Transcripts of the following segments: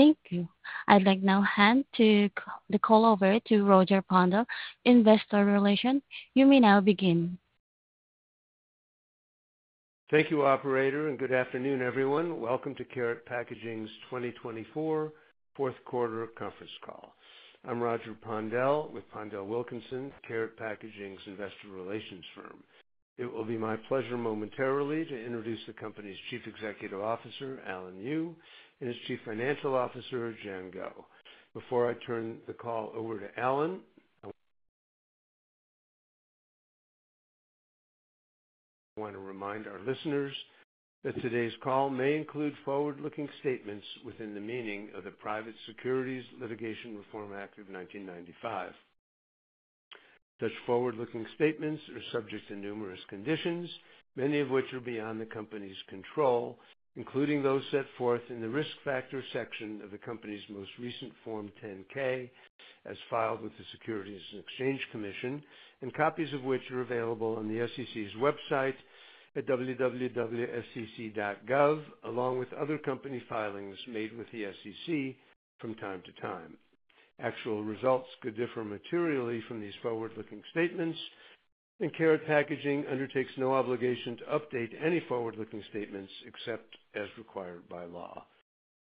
Thank you. I'd like now to hand the call over to Roger Pondel, Investor Relations. You may now begin. Thank you, Operator, and good afternoon, everyone. Welcome to Karat Packaging's 2024 fourth quarter conference call. I'm Roger Pondel with PondelWilkinson, Karat Packaging's Investor Relations firm. It will be my pleasure momentarily to introduce the company's Chief Executive Officer, Alan Yu, and his Chief Financial Officer, Jian Guo. Before I turn the call over to Alan, I want to remind our listeners that today's call may include forward-looking statements within the meaning of the Private Securities Litigation Reform Act of 1995. Such forward-looking statements are subject to numerous conditions, many of which are beyond the company's control, including those set forth in the risk factor section of the company's most recent Form 10-K as filed with the Securities and Exchange Commission, and copies of which are available on the SEC's website at www.sec.gov, along with other company filings made with the SEC from time to time. Actual results could differ materially from these forward-looking statements, and Karat Packaging undertakes no obligation to update any forward-looking statements except as required by law.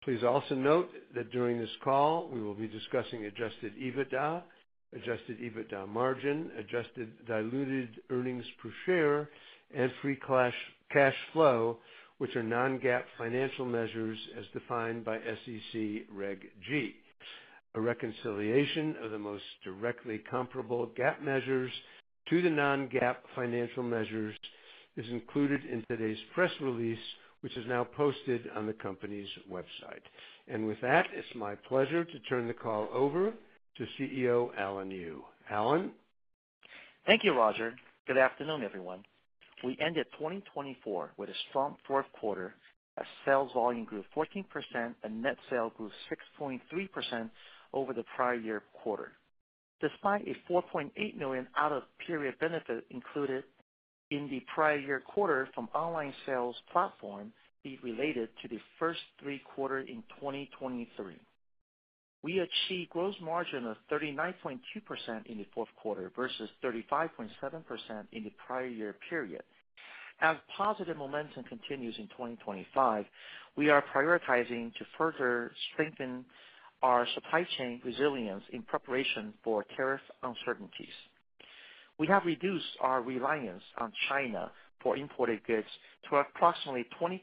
Please also note that during this call, we will be discussing adjusted EBITDA, adjusted EBITDA margin, adjusted diluted earnings per share, and free cash flow, which are non-GAAP financial measures as defined by SEC Reg G. A reconciliation of the most directly comparable GAAP measures to the non-GAAP financial measures is included in today's press release, which is now posted on the company's website. With that, it's my pleasure to turn the call over to CEO Alan Yu. Alan? Thank you, Roger. Good afternoon, everyone. We ended 2024 with a strong fourth quarter, as sales volume grew 14%, and net sales grew 6.3% over the prior year quarter. Despite a $4.8 million out-of-period benefit included in the prior year quarter from online sales platform, it related to the first three quarters in 2023. We achieved gross margin of 39.2% in the fourth quarter versus 35.7% in the prior year period. As positive momentum continues in 2025, we are prioritizing to further strengthen our supply chain resilience in preparation for tariff uncertainties. We have reduced our reliance on China for imported goods to approximately 20%,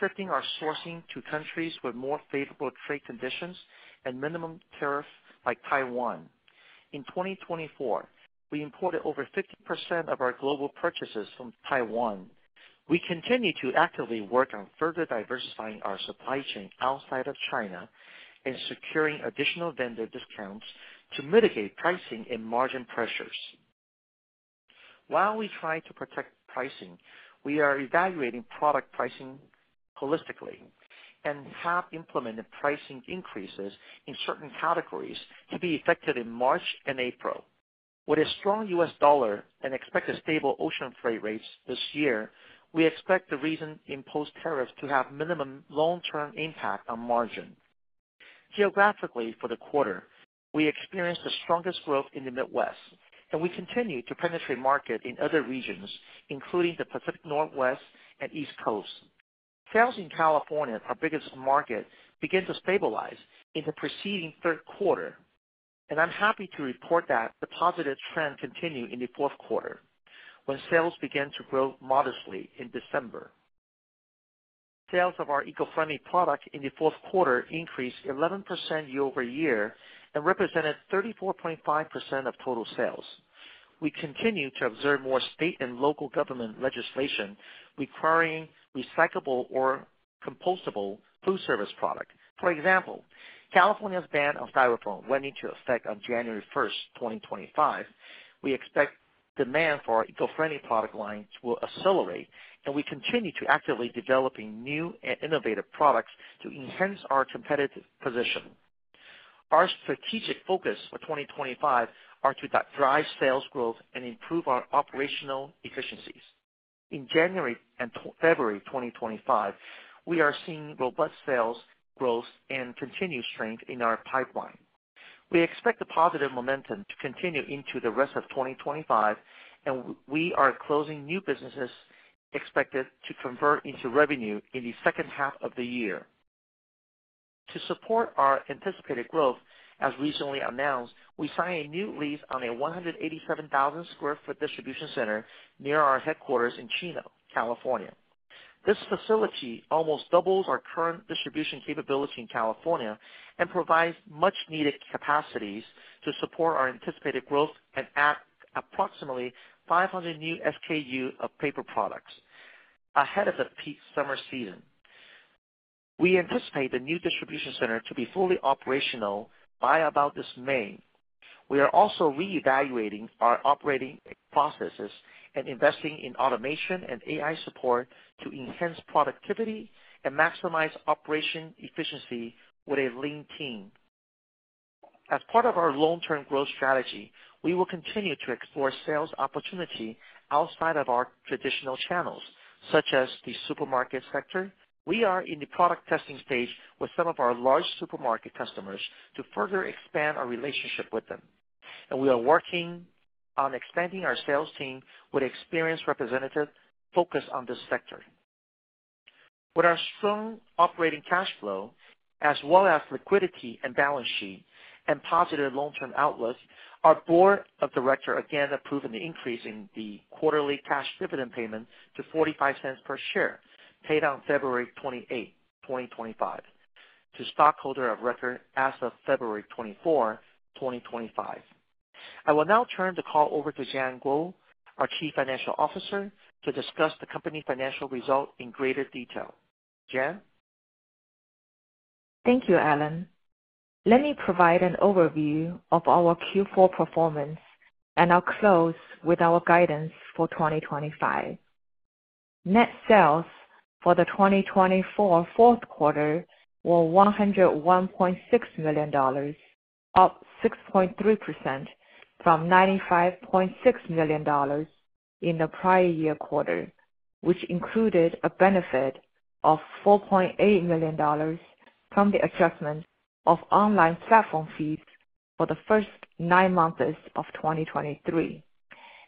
shifting our sourcing to countries with more favorable trade conditions and minimum tariffs like Taiwan. In 2024, we imported over 50% of our global purchases from Taiwan. We continue to actively work on further diversifying our supply chain outside of China and securing additional vendor discounts to mitigate pricing and margin pressures. While we try to protect pricing, we are evaluating product pricing holistically and have implemented pricing increases in certain categories to be effective in March and April. With a strong US dollar and expected stable ocean freight rates this year, we expect the recent imposed tariffs to have minimum long-term impact on margin. Geographically, for the quarter, we experienced the strongest growth in the Midwest, and we continue to penetrate market in other regions, including the Pacific Northwest and East Coast. Sales in California, our biggest market, began to stabilize in the preceding third quarter, and I'm happy to report that the positive trend continued in the fourth quarter when sales began to grow modestly in December. Sales of our eco-friendly product in the fourth quarter increased 11% year-over-year and represented 34.5% of total sales. We continue to observe more state and local government legislation requiring recyclable or compostable foodservice products. For example, California's ban on Styrofoam went into effect on January 1st, 2025. We expect demand for our eco-friendly product lines will accelerate, and we continue to actively develop new and innovative products to enhance our competitive position. Our strategic focus for 2025 is to drive sales growth and improve our operational efficiencies. In January and February 2025, we are seeing robust sales growth and continued strength in our pipeline. We expect the positive momentum to continue into the rest of 2025, and we are closing new businesses expected to convert into revenue in the second half of the year. To support our anticipated growth, as recently announced, we signed a new lease on a 187,000 sq ft distribution center near our headquarters in Chino, California. This facility almost doubles our current distribution capability in California and provides much-needed capacities to support our anticipated growth and add approximately 500 new SKU of paper products ahead of the peak summer season. We anticipate the new distribution center to be fully operational by about this May. We are also reevaluating our operating processes and investing in automation and AI support to enhance productivity and maximize operation efficiency with a lean team. As part of our long-term growth strategy, we will continue to explore sales opportunities outside of our traditional channels, such as the supermarket sector. We are in the product testing stage with some of our large supermarket customers to further expand our relationship with them, and we are working on expanding our sales team with experienced representatives focused on this sector. With our strong operating cash flow, as well as liquidity and balance sheet and positive long-term outlook, our Board of Directors again approved an increase in the quarterly cash dividend payment to $0.45 per share, paid on February 28, 2025, to stockholders of record as of February 24, 2025. I will now turn the call over to Jian Guo, our Chief Financial Officer, to discuss the company financial results in greater detail. Jian? Thank you, Alan. Let me provide an overview of our Q4 performance, and I'll close with our guidance for 2025. Net sales for the 2024 fourth quarter were $101.6 million, up 6.3% from $95.6 million in the prior year quarter, which included a benefit of $4.8 million from the adjustment of online platform fees for the first nine months of 2023.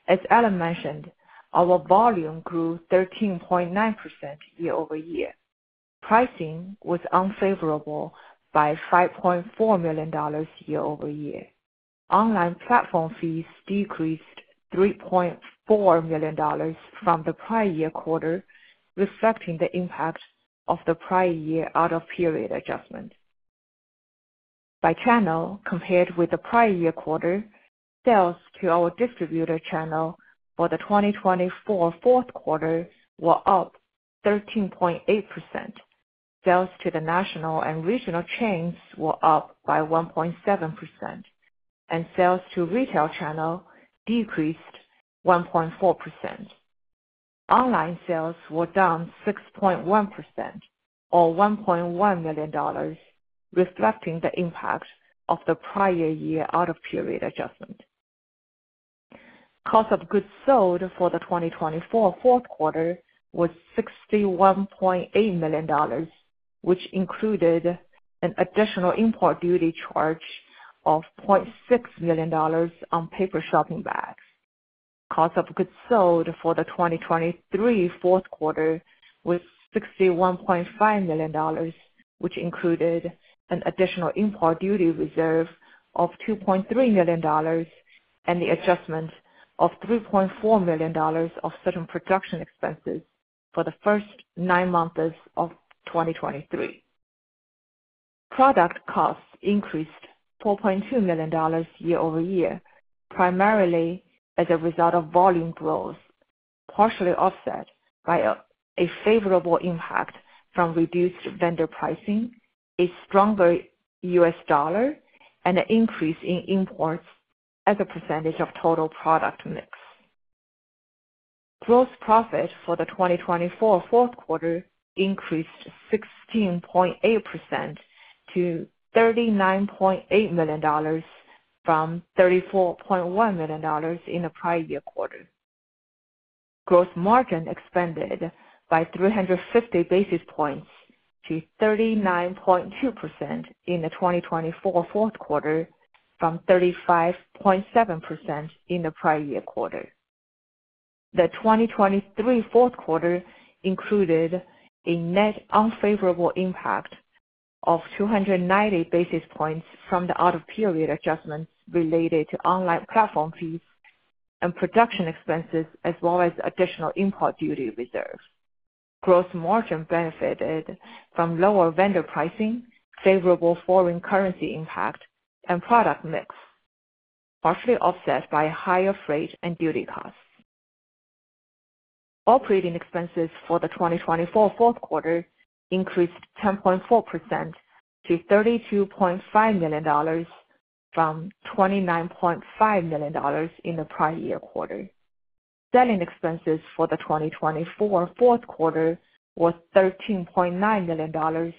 As Alan mentioned, our volume grew 13.9% year-over-year. Pricing was unfavorable by $5.4 million year-over-year. Online platform fees decreased $3.4 million from the prior year quarter, reflecting the impact of the prior year out-of-period adjustment. By channel compared with the prior year quarter, sales to our distributor channel for the 2024 fourth quarter were up 13.8%. Sales to the national and regional chains were up by 1.7%, and sales to retail channel decreased 1.4%. Online sales were down 6.1%, or $1.1 million, reflecting the impact of the prior year out-of-period adjustment. Cost of goods sold for the 2024 fourth quarter was $61.8 million, which included an additional import duty charge of $0.6 million on paper shopping bags. Cost of goods sold for the 2023 fourth quarter was $61.5 million, which included an additional import duty reserve of $2.3 million and the adjustment of $3.4 million of certain production expenses for the first nine months of 2023. Product costs increased $4.2 million year-over-year, primarily as a result of volume growth, partially offset by a favorable impact from reduced vendor pricing, a stronger US dollar, and an increase in imports as a percentage of total product mix. Gross profit for the 2024 fourth quarter increased 16.8% to $39.8 million from $34.1 million in the prior year quarter. Gross margin expanded by 350 basis points to 39.2% in the 2024 fourth quarter from 35.7% in the prior year quarter. The 2023 fourth quarter included a net unfavorable impact of 290 basis points from the out-of-period adjustments related to online platform fees and production expenses, as well as additional import duty reserves. Gross margin benefited from lower vendor pricing, favorable foreign currency impact, and product mix, partially offset by higher freight and duty costs. Operating expenses for the 2024 fourth quarter increased 10.4% to $32.5 million from $29.5 million in the prior year quarter. Selling expenses for the 2024 fourth quarter were $13.9 million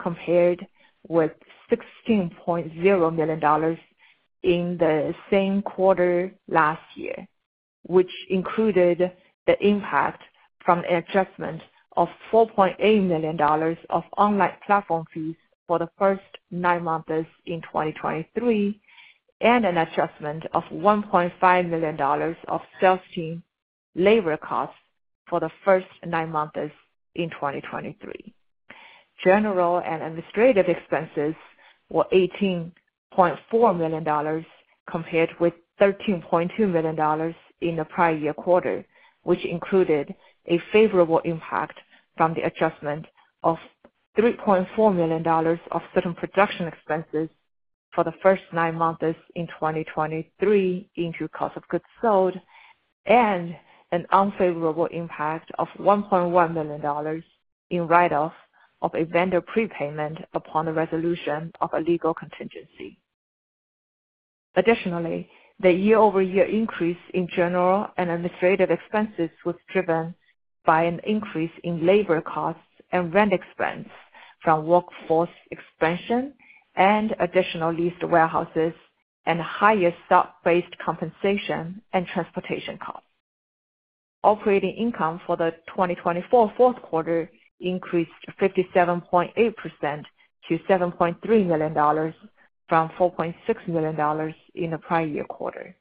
compared with $16.0 million in the same quarter last year, which included the impact from an adjustment of $4.8 million of online platform fees for the first nine months in 2023 and an adjustment of $1.5 million of sales team labor costs for the first nine months in 2023. General and administrative expenses were $18.4 million compared with $13.2 million in the prior year quarter, which included a favorable impact from the adjustment of $3.4 million of certain production expenses for the first nine months in 2023 into cost of goods sold and an unfavorable impact of $1.1 million in write-off of a vendor prepayment upon the resolution of a legal contingency. Additionally, the year-over-year increase in general and administrative expenses was driven by an increase in labor costs and rent expense from workforce expansion and additional leased warehouses and higher stock-based compensation and transportation costs. Operating income for the 2024 fourth quarter increased 57.8% to $7.3 million from $4.6 million in the prior year quarter.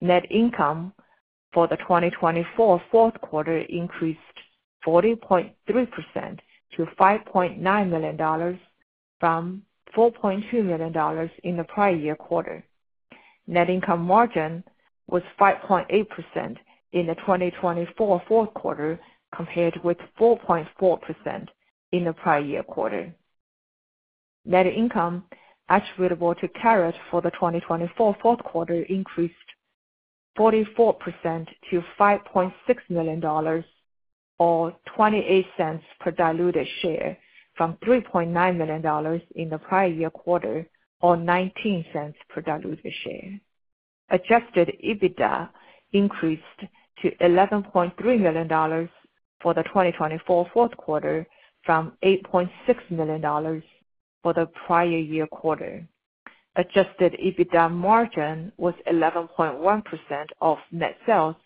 Net income for the 2024 fourth quarter increased 40.3% to $5.9 million from $4.2 million in the prior year quarter. Net income margin was 5.8% in the 2024 fourth quarter compared with 4.4% in the prior year quarter. Net income attributable to Karat for the 2024 fourth quarter increased 44% to $5.6 million, or $0.28 per diluted share from $3.9 million in the prior year quarter, or $0.19 per diluted share. Adjusted EBITDA increased to $11.3 million for the 2024 fourth quarter from $8.6 million for the prior year quarter. Adjusted EBITDA margin was 11.1% of net sales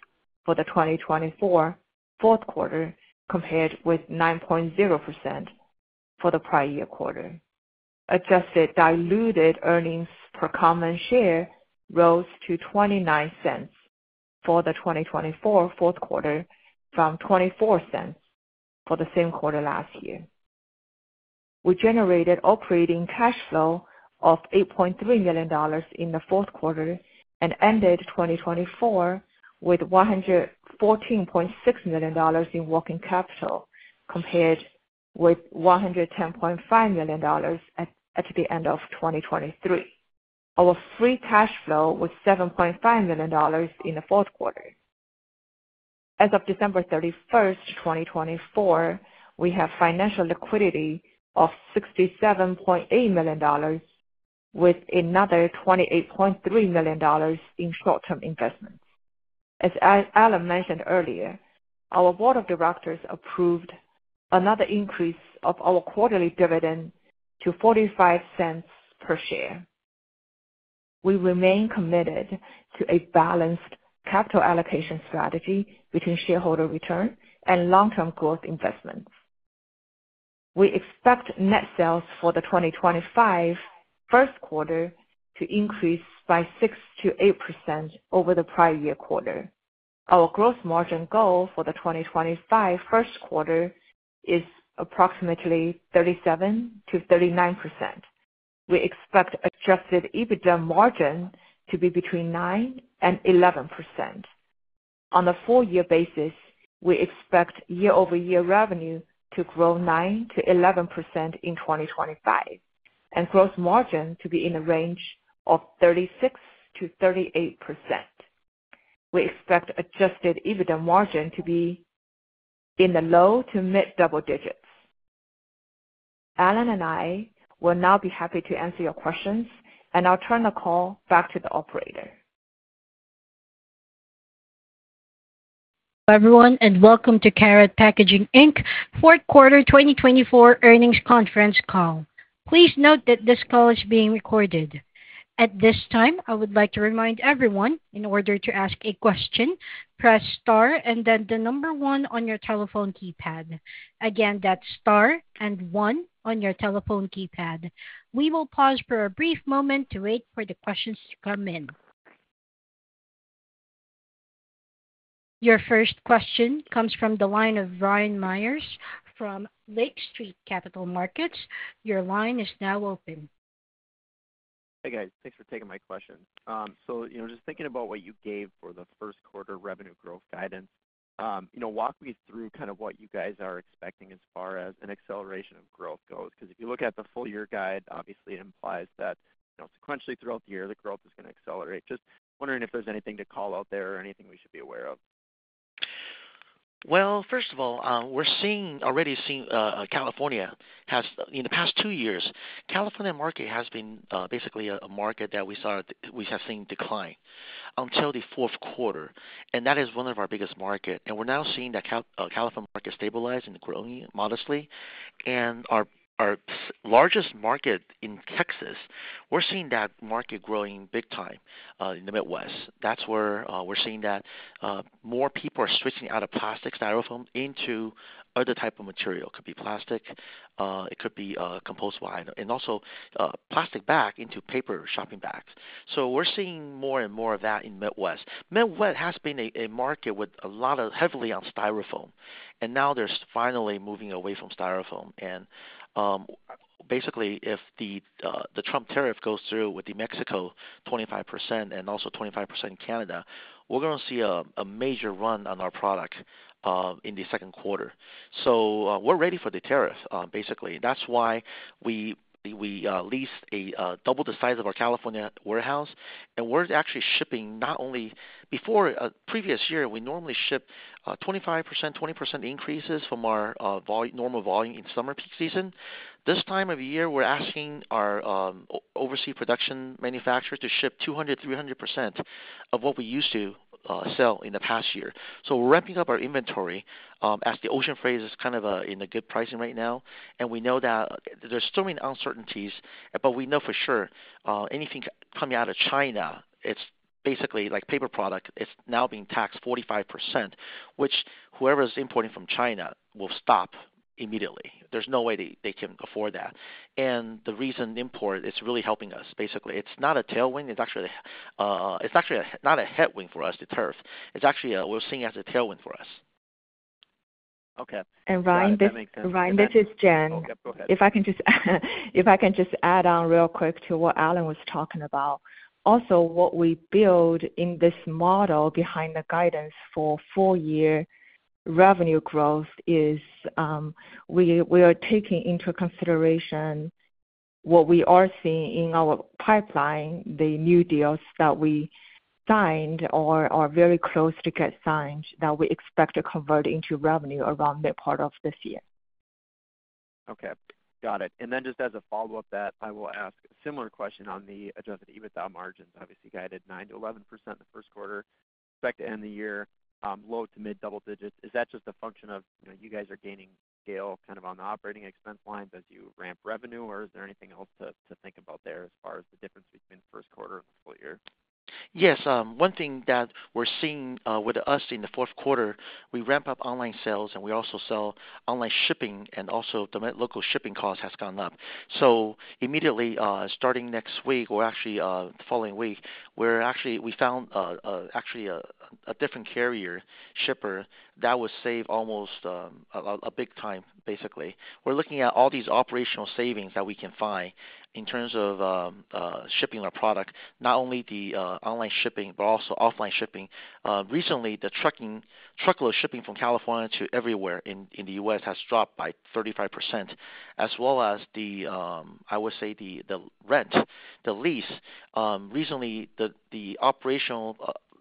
for the 2024 fourth quarter compared with 9.0% for the prior year quarter. Adjusted diluted earnings per common share rose to $0.29 for the 2024 fourth quarter from $0.24 for the same quarter last year. We generated operating cash flow of $8.3 million in the fourth quarter and ended 2024 with $114.6 million in working capital compared with $110.5 million at the end of 2023. Our free cash flow was $7.5 million in the fourth quarter. As of December 31st, 2024, we have financial liquidity of $67.8 million with another $28.3 million in short-term investments. As Alan mentioned earlier, our Board of Directors approved another increase of our quarterly dividend to $0.45 per share. We remain committed to a balanced capital allocation strategy between shareholder return and long-term growth investments. We expect net sales for the 2025 first quarter to increase by 6%-8% over the prior year quarter. Our gross margin goal for the 2025 first quarter is approximately 37%-39%. We expect adjusted EBITDA margin to be between 9% and 11%. On a four-year basis, we expect year-over-year revenue to grow 9%-11% in 2025 and gross margin to be in the range of 36-38%. We expect adjusted EBITDA margin to be in the low to mid double digits. Alan and I will now be happy to answer your questions, and I'll turn the call back to the operator. Hello everyone, and welcome to Karat Packaging fourth quarter 2024 earnings conference call. Please note that this call is being recorded. At this time, I would like to remind everyone, in order to ask a question, press star and then the number one on your telephone keypad. Again, that's star and one on your telephone keypad. We will pause for a brief moment to wait for the questions to come in. Your first question comes from the line of Ryan Meyers from Lake Street Capital Markets. Your line is now open. Hey, guys. Thanks for taking my question. Just thinking about what you gave for the first quarter revenue growth guidance, walk me through kind of what you guys are expecting as far as an acceleration of growth goes. Because if you look at the full year guide, obviously, it implies that sequentially throughout the year, the growth is going to accelerate. Just wondering if there's anything to call out there or anything we should be aware of? First of all, we're already seeing California has in the past two years, California market has been basically a market that we have seen decline until the fourth quarter. That is one of our biggest markets. We're now seeing that California market stabilize and growing modestly. Our largest market in Texas, we're seeing that market growing big time. In the Midwest, that's where we're seeing that more people are switching out of plastic styrofoam into other types of material. It could be plastic, it could be compostable, and also plastic bag into paper shopping bags. We're seeing more and more of that in the Midwest. Midwest has been a market with a lot of heavily on Styrofoam. Now they're finally moving away from Styrofoam. If the Trump tariff goes through with Mexico 25% and also 25% in Canada, we're going to see a major run on our product in the second quarter. We're ready for the tariff, basically. That's why we leased double the size of our California warehouse. We're actually shipping not only before previous year, we normally ship 25%, 20% increases from our normal volume in summer peak season. This time of year, we're asking our overseas production manufacturers to ship 200%, 300% of what we used to sell in the past year. We're ramping up our inventory as the ocean freight is kind of in a good pricing right now. We know that there's so many uncertainties, but we know for sure anything coming out of China, it's basically like paper product, it's now being taxed 45%, which whoever is importing from China will stop immediately. There's no way they can afford that. The reason import is really helping us, basically. It's not a tailwind. It's actually not a headwind for us to turf. It's actually we're seeing as a tailwind for us. Okay. Ryan, this is Jian. Okay. Go ahead. If I can just add on real quick to what Alan was talking about. Also, what we build in this model behind the guidance for full year revenue growth is we are taking into consideration what we are seeing in our pipeline, the new deals that we signed or are very close to get signed that we expect to convert into revenue around mid part of this year. Okay. Got it. Just as a follow-up, I will ask a similar question on the adjusted EBITDA margins. Obviously, guided 9%-11% in the first quarter, expect to end the year low to mid double digits. Is that just a function of you guys are gaining scale kind of on the operating expense lines as you ramp revenue, or is there anything else to think about there as far as the difference between the first quarter and the full year? Yes. One thing that we're seeing with us in the fourth quarter, we ramp up online sales, and we also sell online shipping, and also the local shipping cost has gone up. Immediately starting next week or actually the following week, we found actually a different carrier shipper that would save almost a big time, basically. We're looking at all these operational savings that we can find in terms of shipping our product, not only the online shipping, but also offline shipping. Recently, the truckload shipping from California to everywhere in the U.S. has dropped by 35%, as well as the, I would say, the rent, the lease. Recently,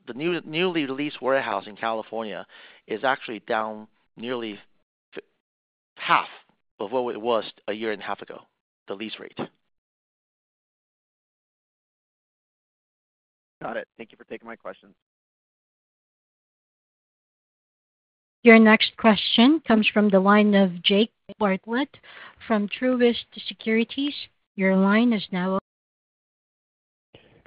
the newly released warehouse in California is actually down nearly half of what it was a year and a half ago, the lease rate. Got it. Thank you for taking my questions. Your next question comes from the line of Jake Bartlett from Truist Securities. Your line is now.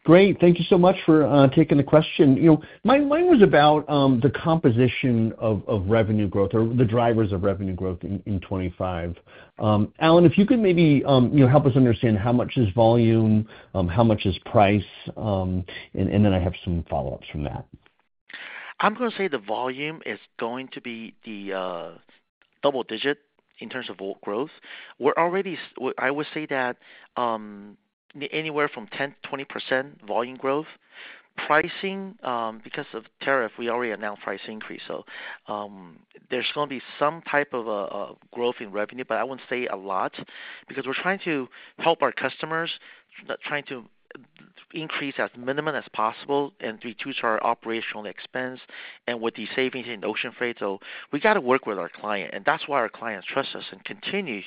Great. Thank you so much for taking the question. My line was about the composition of revenue growth or the drivers of revenue growth in 2025. Alan, if you could maybe help us understand how much is volume, how much is price, and then I have some follow-ups from that. I'm going to say the volume is going to be the double digit in terms of growth. We're already, I would say that anywhere from 10%-20% volume growth. Pricing, because of tariff, we already announced price increase. There is going to be some type of growth in revenue, but I wouldn't say a lot because we're trying to help our customers, trying to increase as minimum as possible and reduce our operational expense and with the savings in ocean freight. We got to work with our client. That's why our clients trust us and continue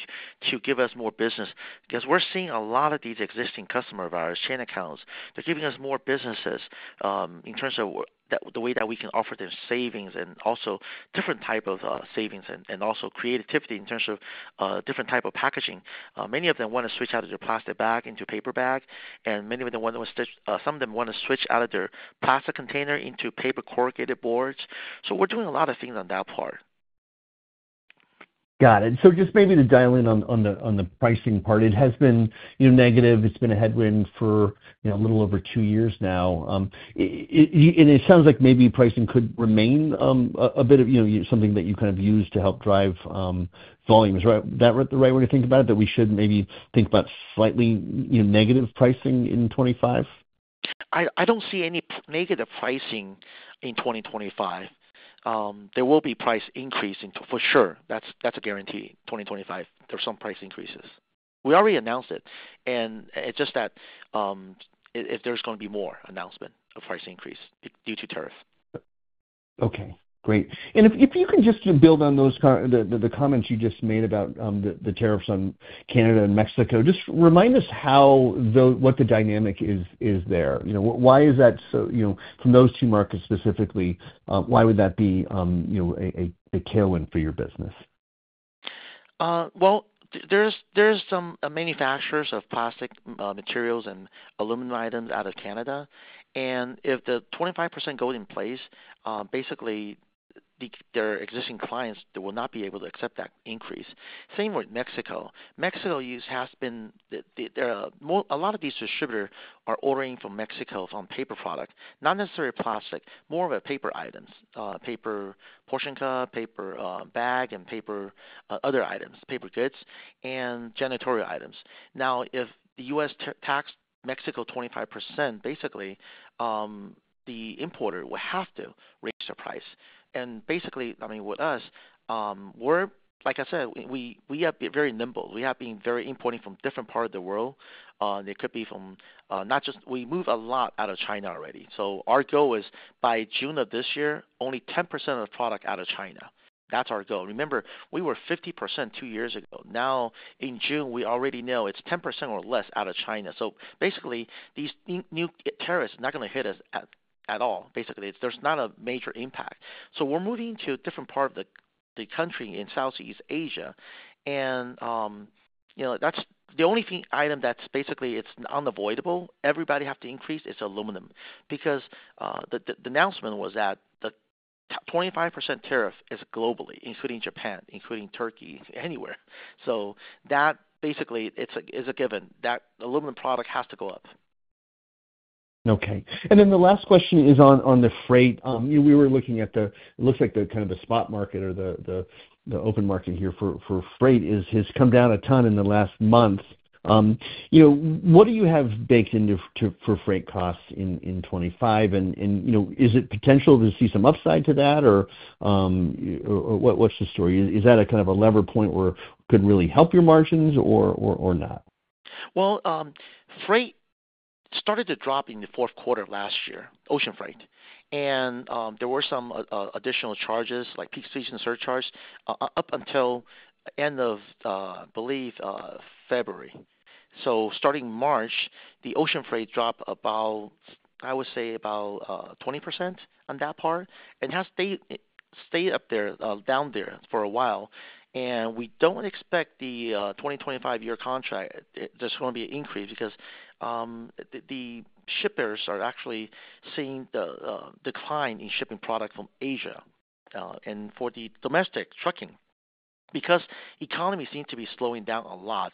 to give us more business because we're seeing a lot of these existing customer of ours, chain accounts. They're giving us more businesses in terms of the way that we can offer them savings and also different types of savings and also creativity in terms of different types of packaging. Many of them want to switch out of their plastic bag into paper bag. Many of them want to switch out of their plastic container into paper corrugated boards. We're doing a lot of things on that part. Got it. Maybe to dial in on the pricing part, it has been negative. It's been a headwind for a little over two years now. It sounds like maybe pricing could remain a bit of something that you kind of use to help drive volumes. Is that the right way to think about it, that we should maybe think about slightly negative pricing in 2025? I don't see any negative pricing in 2025. There will be price increasing for sure. That's a guarantee. 2025, there's some price increases. We already announced it. It is just that there's going to be more announcement of price increase due to tariff. Okay. Great. If you can just build on the comments you just made about the tariffs on Canada and Mexico, just remind us what the dynamic is there. Why is that so from those two markets specifically, why would that be a tailwind for your business? There are some manufacturers of plastic materials and aluminum items out of Canada. If the 25% goes in place, basically, their existing clients will not be able to accept that increase. Same with Mexico. Mexico has been, a lot of these distributors are ordering from Mexico on paper products, not necessarily plastic, more of paper items, paper portion cup, paper bag, and paper other items, paper goods, and janitorial items. Now, if the U.S. tax Mexico 25%, basically, the importer will have to raise their price. Basically, I mean, with us, like I said, we have been very nimble. We have been importing from different parts of the world. It could be from, not just, we move a lot out of China already. Our goal is by June of this year, only 10% of the product out of China. That is our goal. Remember, we were 50% two years ago. Now, in June, we already know it's 10% or less out of China. Basically, these new tariffs are not going to hit us at all. There is not a major impact. We are moving to a different part of the country in Southeast Asia. That is the only item that is unavoidable. Everybody has to increase is aluminum because the announcement was that the 25% tariff is globally, including Japan, including Turkey, anywhere. That is a given that aluminum product has to go up. Okay. The last question is on the freight. We were looking at the looks like the kind of the spot market or the open market here for freight has come down a ton in the last month. What do you have baked into for freight costs in 2025? Is it potential to see some upside to that, or what's the story? Is that a kind of a lever point where it could really help your margins or not? Freight started to drop in the fourth quarter last year, ocean freight. There were some additional charges, like peak season surcharge, up until the end of, I believe, February. Starting March, the ocean freight dropped about, I would say, about 20% on that part. It has stayed down there for a while. We do not expect the 2025 year contract, there is going to be an increase because the shippers are actually seeing the decline in shipping product from Asia and for the domestic trucking because the economy seems to be slowing down a lot.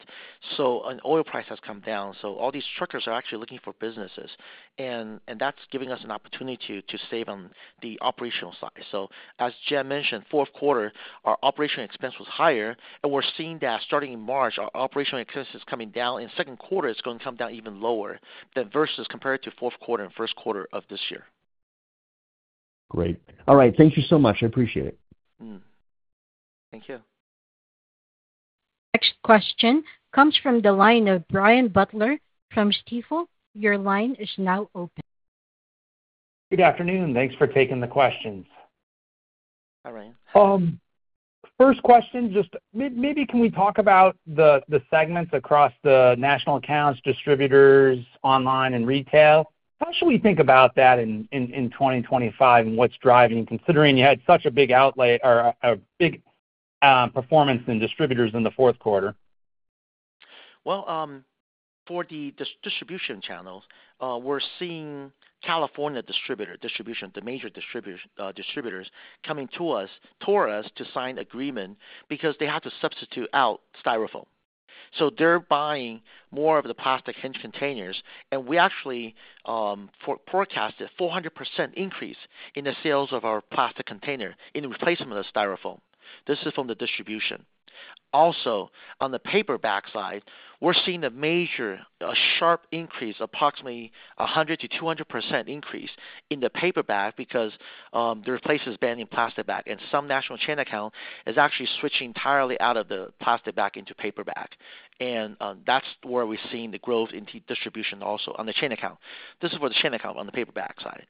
Oil price has come down. All these truckers are actually looking for businesses. That is giving us an opportunity to save on the operational side. As Jian mentioned, fourth quarter, our operational expense was higher. We are seeing that starting in March, our operational expenses coming down. In second quarter, it's going to come down even lower versus compared to fourth quarter and first quarter of this year. Great. All right. Thank you so much. I appreciate it. Thank you. Next question comes from the line of Brian Butler from Stifel. Your line is now open. Good afternoon. Thanks for taking the questions. Hi, Brian. First question, just maybe can we talk about the segments across the national accounts, distributors, online, and retail? How should we think about that in 2025 and what's driving, considering you had such a big outlay or a big performance in distributors in the fourth quarter? For the distribution channels, we're seeing California distributor distribution, the major distributors coming to us, to sign agreement because they have to substitute out Styrofoam. So they're buying more of the plastic hinge containers. And we actually forecast a 400% increase in the sales of our plastic container in replacement of Styrofoam. This is from the distribution. Also, on the paper bag side, we're seeing a major sharp increase, approximately 100%-200% increase in the paper bag because there's places banning plastic bag. And some national chain account is actually switching entirely out of the plastic bag into paper bag. And that's where we're seeing the growth in distribution also on the chain account. This is for the chain account on the paper bag side.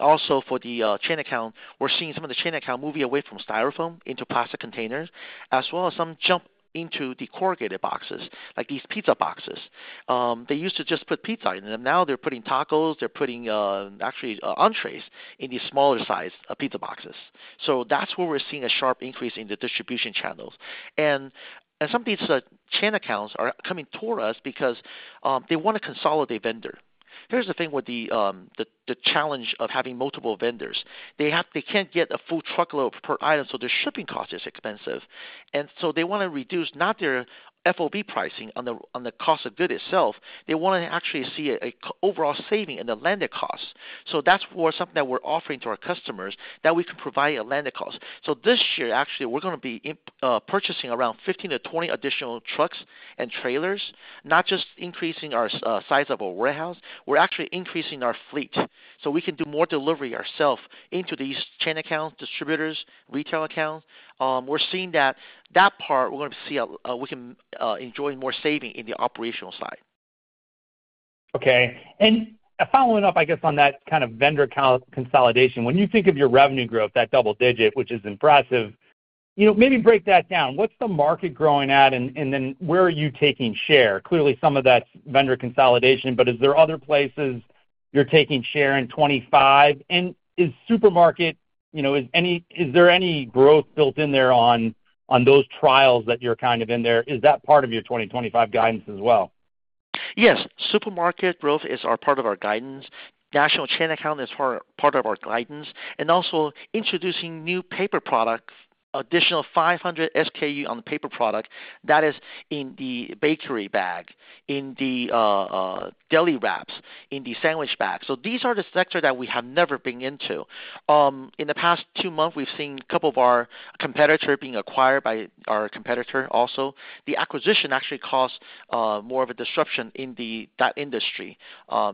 Also for the chain account, we're seeing some of the chain account moving away from Styrofoam into plastic containers, as well as some jump into the corrugated boxes, like these pizza boxes. They used to just put pizza in them. Now they're putting tacos. They're putting actually entrees in these smaller size pizza boxes. That is where we're seeing a sharp increase in the distribution channels. Some of these chain accounts are coming toward us because they want to consolidate vendor. Here's the thing with the challenge of having multiple vendors. They can't get a full truckload per item, so the shipping cost is expensive. They want to reduce not their FOB pricing on the cost of good itself. They want to actually see an overall saving in the landed costs. That's something that we're offering to our customers, that we can provide a landed cost. This year, actually, we're going to be purchasing around 15-20 additional trucks and trailers, not just increasing the size of our warehouse. We're actually increasing our fleet so we can do more delivery ourself into these chain accounts, distributors, retail accounts. We're seeing that that part, we're going to see we can enjoy more saving in the operational side. Okay. Following up, I guess, on that kind of vendor consolidation, when you think of your revenue growth, that double digit, which is impressive, maybe break that down. What's the market growing at, and then where are you taking share? Clearly, some of that's vendor consolidation, but is there other places you're taking share in 2025? Is supermarket, is there any growth built in there on those trials that you're kind of in there? Is that part of your 2025 guidance as well? Yes. Supermarket growth is part of our guidance. National chain account is part of our guidance. Also introducing new paper products, additional 500 SKU on the paper product that is in the bakery bag, in the deli wraps, in the sandwich bag. These are the sectors that we have never been into. In the past two months, we've seen a couple of our competitors being acquired by our competitor also. The acquisition actually caused more of a disruption in that industry,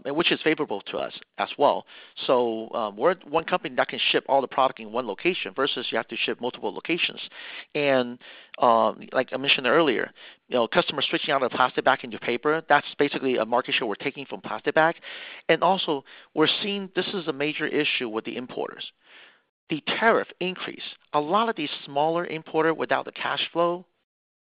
which is favorable to us as well. We are one company that can ship all the product in one location versus you have to ship multiple locations. Like I mentioned earlier, customers switching out of plastic bag into paper, that's basically a market share we're taking from plastic bag. Also, we're seeing this is a major issue with the importers. The tariff increase, a lot of these smaller importers without the cash flow,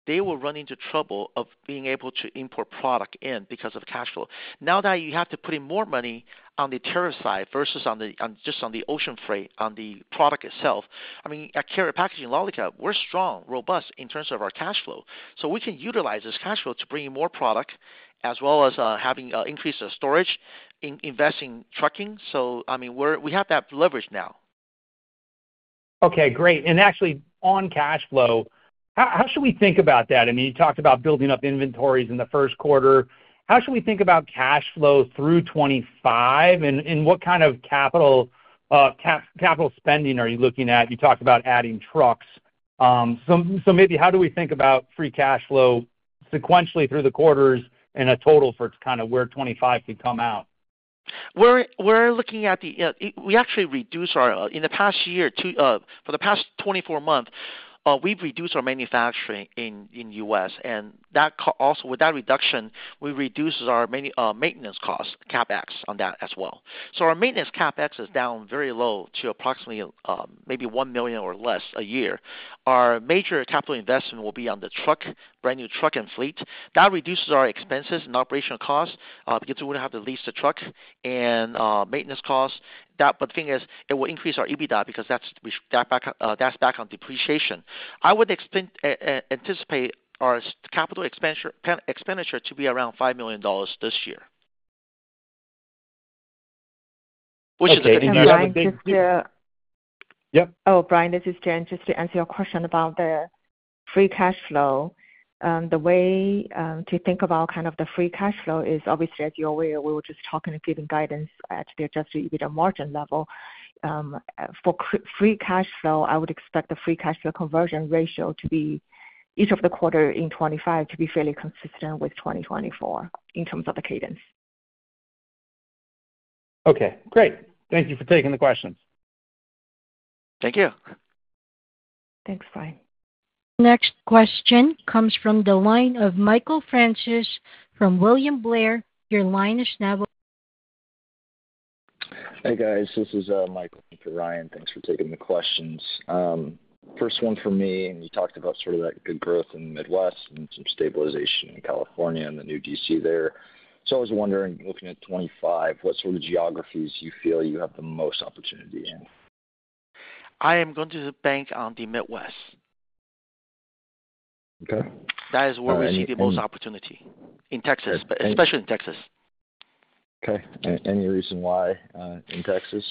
they will run into trouble of being able to import product in because of cash flow. Now that you have to put in more money on the tariff side versus just on the ocean freight, on the product itself, I mean, at Karat Packaging, we're strong, robust in terms of our cash flow. So we can utilize this cash flow to bring in more product as well as having an increase of storage, investing trucking. I mean, we have that leverage now. Okay. Great. Actually, on cash flow, how should we think about that? I mean, you talked about building up inventories in the first quarter. How should we think about cash flow through 2025? What kind of capital spending are you looking at? You talked about adding trucks. Maybe how do we think about free cash flow sequentially through the quarters and a total for kind of where 2025 could come out? We're looking at the we actually reduced our in the past year, for the past 24 months, we've reduced our manufacturing in the U.S. And also with that reduction, we reduced our maintenance costs, CapEx, on that as well. Our maintenance CapEx is down very low to approximately maybe $1 million or less a year. Our major capital investment will be on the truck, brand new truck and fleet. That reduces our expenses and operational costs because we wouldn't have to lease the truck and maintenance costs. The thing is, it will increase our EBITDA because that's back on depreciation. I would anticipate our capital expenditure to be around $5 million this year. Oh, Brian, this is Jian. Just to answer your question about the free cash flow, the way to think about kind of the free cash flow is, obviously, as you're aware, we were just talking and giving guidance at the adjusted EBITDA margin level. For free cash flow, I would expect the free cash flow conversion ratio to be each of the quarters in 2025 to be fairly consistent with 2024 in terms of the cadence. Okay. Great. Thank you for taking the questions. Thank you. Thanks, Brian. Next question comes from the line of Michael Francis from William Blair. Your line is now. Hey, guys. This is Michael. Thank you, Ryan. Thanks for taking the questions. First one for me, and you talked about sort of that good growth in the Midwest and some stabilization in California and the new DC there. I was wondering, looking at 2025, what sort of geographies do you feel you have the most opportunity in? I am going to bank on the Midwest. Okay. That is where we see the most opportunity in Texas, especially in Texas. Okay. Any reason why in Texas?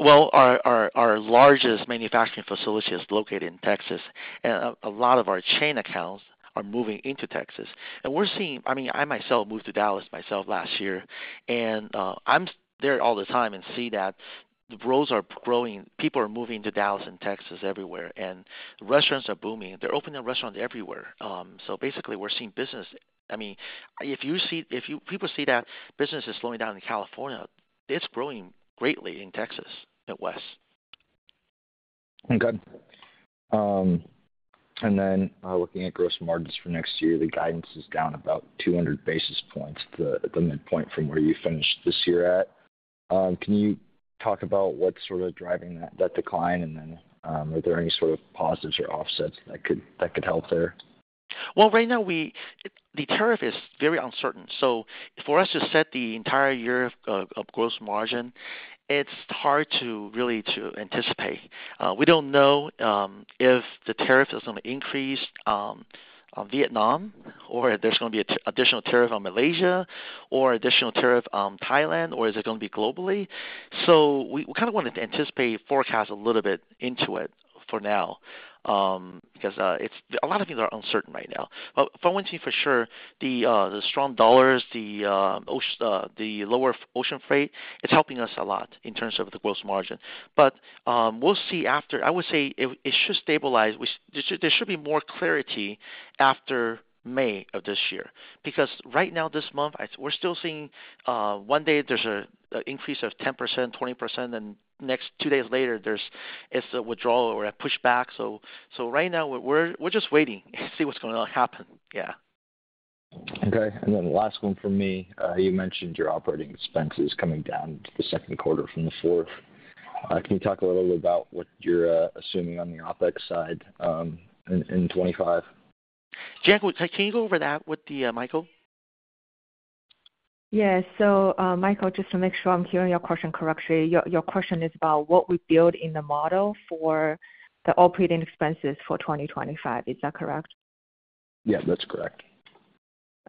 Our largest manufacturing facility is located in Texas, and a lot of our chain accounts are moving into Texas. I myself moved to Dallas myself last year. I am there all the time and see that the growth are growing. People are moving to Dallas and Texas everywhere. Restaurants are booming. They are opening restaurants everywhere. Basically, we are seeing business. If people see that business is slowing down in California, it is growing greatly in Texas, Midwest. Okay. And then looking at gross margins for next year, the guidance is down about 200 basis points at the midpoint from where you finished this year at. Can you talk about what's sort of driving that decline? Are there any sort of positives or offsets that could help there? Right now, the tariff is very uncertain. For us to set the entire year of gross margin, it's hard to really anticipate. We don't know if the tariff is going to increase on Vietnam, or if there's going to be an additional tariff on Malaysia, or an additional tariff on Thailand, or is it going to be globally. We kind of want to anticipate, forecast a little bit into it for now because a lot of things are uncertain right now. If I want to be for sure, the strong dollars, the lower ocean freight, it's helping us a lot in terms of the gross margin. We'll see after. I would say it should stabilize. There should be more clarity after May of this year because right now, this month, we're still seeing one day there's an increase of 10%, 20%, and next two days later, it's a withdrawal or a pushback. Right now, we're just waiting to see what's going to happen. Yeah. Okay. The last one for me, you mentioned your operating expenses coming down the second quarter from the fourth. Can you talk a little bit about what you're assuming on the OpEx side in 2025? Jian, can you go over that with Michael? Yeah. Michael, just to make sure I'm hearing your question correctly, your question is about what we build in the model for the operating expenses for 2025. Is that correct? Yeah, that's correct.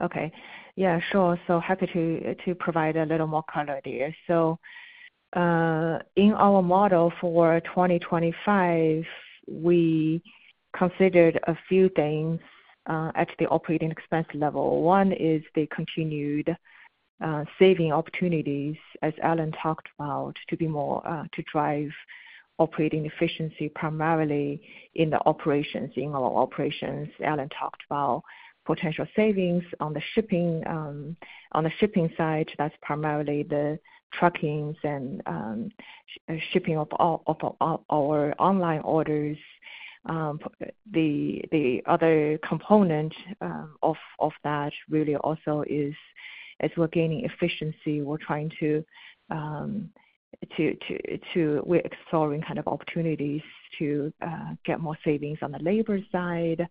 Okay. Yeah, sure. Happy to provide a little more color there. In our model for 2025, we considered a few things at the operating expense level. One is the continued saving opportunities, as Alan talked about, to drive operating efficiency, primarily in our operations. Alan talked about potential savings on the shipping side. That is primarily the truckings and shipping of our online orders. The other component of that really also is, as we are gaining efficiency, we are trying to explore kind of opportunities to get more savings on the labor side.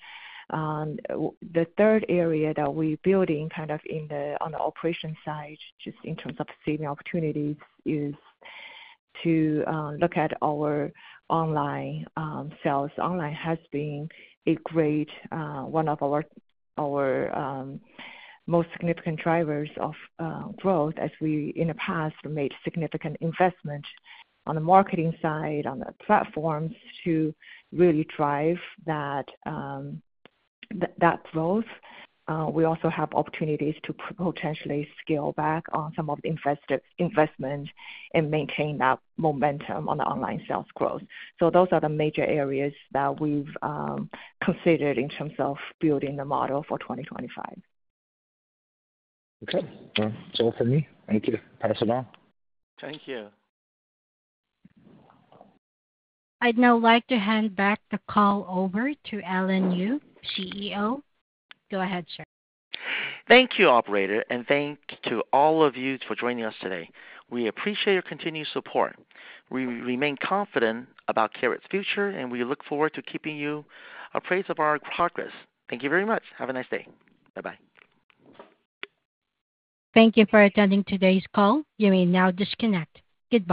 The third area that we are building kind of on the operation side, just in terms of saving opportunities, is to look at our online sales. Online has been a great one of our most significant drivers of growth, as we in the past made significant investment on the marketing side, on the platforms to really drive that growth. We also have opportunities to potentially scale back on some of the investment and maintain that momentum on the online sales growth. Those are the major areas that we've considered in terms of building the model for 2025. Okay. That's all for me. Thank you. Thank you. I'd now like to hand back the call over to Alan Yu, CEO. Go ahead, sir. Thank you, operator. Thank you to all of you for joining us today. We appreciate your continued support. We remain confident about Karat's future, and we look forward to keeping you apprised of our progress. Thank you very much. Have a nice day. Bye-bye. Thank you for attending today's call. You may now disconnect. Good.